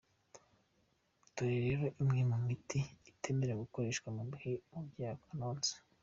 Dore rero imwe mu miti itemewe gukoreshwa mu gihe umubyeyi anonsa.